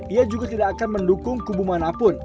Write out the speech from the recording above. ia juga tidak akan mendukung kubu manapun